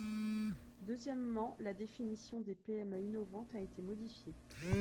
Deuxièmement, la définition des PME innovantes a été modifiée.